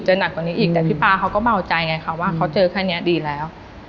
หนักกว่านี้อีกแต่พี่ป๊าเขาก็เบาใจไงค่ะว่าเขาเจอแค่นี้ดีแล้ว